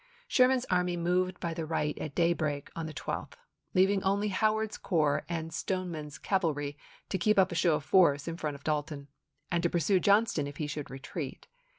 Sherman's army moved by the right at daybreak on the 12th, leaving only Howard's corps and Stoneman's cavalry to keep up a show of force in front of Dalton and to pursue Johnston if he should retreat.